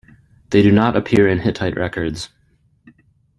They do not appear in Hittite records.